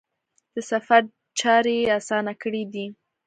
د سفر چارې یې اسانه کړي دي.